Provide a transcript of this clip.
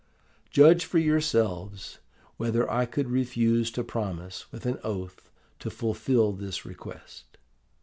"Judge for yourselves whether I could refuse to promise, with an oath, to fulfil this request.